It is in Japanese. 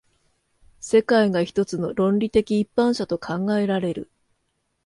世界が一つの論理的一般者と考えられる。